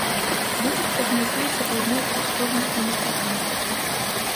Вецер прагназуецца паўднёва-ўсходні ўмеркаваны.